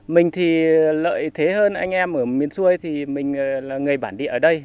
mình thì lợi thế hơn anh em ở miền xuôi thì mình là người bản địa ở đây